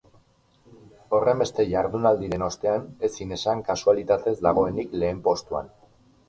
Horrenbeste jardunaldiren ostean ezin esan kasualitatez dagoenik lehen postuan.